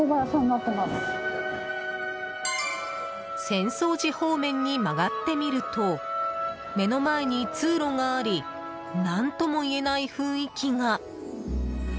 浅草寺方面に曲がってみると目の前に通路があり何ともいえない雰囲気が。